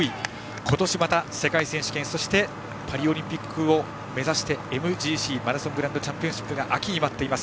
今年また世界選手権そして、パリオリンピックを目指してＭＧＣ＝マラソングランドチャンピオンシップが秋に待っています